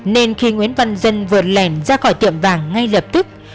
nên khi nguyễn văn dân vượt lẻn ra khỏi tiệm vàng ngay lập tức